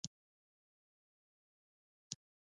څنګه کولی شم د ماشومانو لپاره د ژوبڼ سفر تنظیم کړم